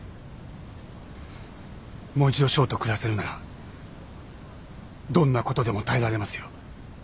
もう一度翔と暮らせるならどんなことでも耐えられますよ。